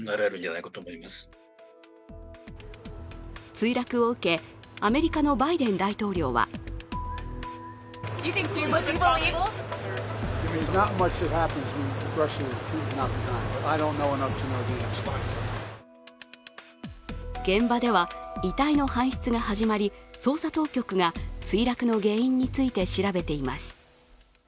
墜落を受け、アメリカのバイデン大統領は現場では遺体の搬出が始まり、捜査当局が墜落の原因について調べています。